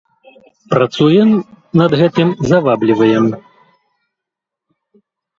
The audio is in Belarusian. Працуем над гэтым, завабліваем.